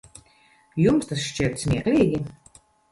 Jums tas šķiet smieklīgi?